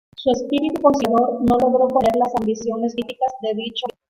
Su espíritu conciliador no logró contener las ambiciones políticas de dicho obispo.